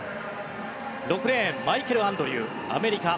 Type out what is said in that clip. ６レーンマイケル・アンドリューアメリカ。